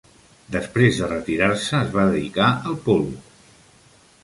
Després de retirar-se, es va dedicar al polo.